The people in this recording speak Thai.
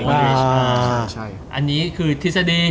อันนี้คือทฤษฎี